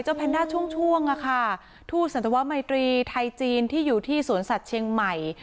แพนด้าช่วงทูตสันตวมัยตรีไทยจีนที่อยู่ที่สวนสัตว์เชียงใหม่